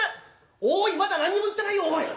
「おいまだ何も言ってないよおい。